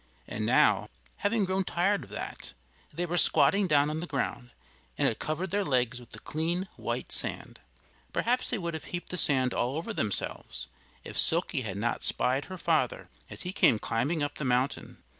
And now, having grown tired of that, they were squatting down on the ground and had covered their legs with the clean white sand. Perhaps they would have heaped the sand all over themselves, if Silkie had not spied her father as he came climbing up the mountain.